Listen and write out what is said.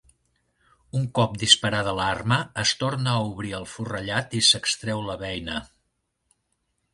Un cop disparada l'arma, es torna a obrir el forrellat i s'extreu la beina.